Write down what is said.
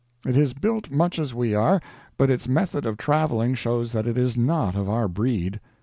It is built much as we are, but its method of traveling shows that it is not of our breed.